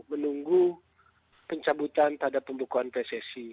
menunggu pencabutan terhadap pembekuan pssi